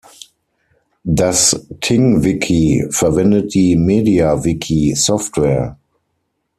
Das „ting-wiki“ verwendet die Mediawiki-Software.